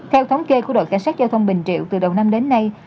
theo thống kê của đội cảnh sát giao thông bình triệu từ đầu năm đến nay